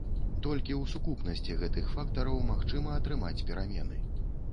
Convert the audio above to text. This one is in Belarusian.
Толькі ў сукупнасці гэтых фактараў магчыма атрымаць перамены.